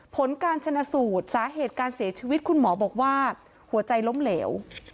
ผลการชนะสูตรสาเหตุการเสียชีวิตคุณหมอบอกว่าหัวใจล้มเหลว